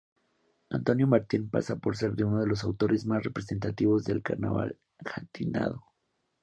Antonio Martín pasa por ser uno de los autores más representativos del carnaval gaditano.